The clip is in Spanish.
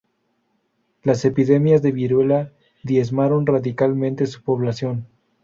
Las epidemias de viruela diezmaron radicalmente su población.